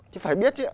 chứ phải biết chứ